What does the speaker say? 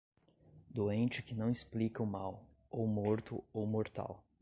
Doente que não explica o mal, ou morto ou mortal.